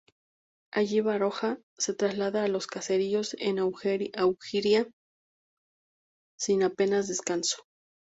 Allí Baroja se traslada a los caseríos en auriga, sin apenas descanso.